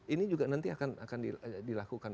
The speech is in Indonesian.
ini juga nanti akan dilakukan